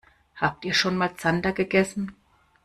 Habt ihr schon mal Zander gegessen?